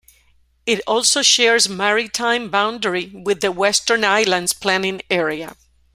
It also shares maritime boundary with the Western Islands planning area.